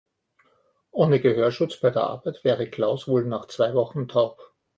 Ohne Gehörschutz bei der Arbeit wäre Klaus wohl nach zwei Wochen taub.